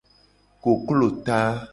Koklo ta.